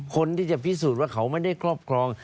คนที่จะพิสูจน์ว่าเขาไม่ได้ครอบครอง